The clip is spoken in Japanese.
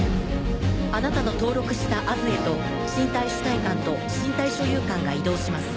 あなたの登録したＡｓへと身体主体感と身体所有感が移動します。